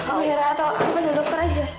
oh ya atau aku panggil dokter aja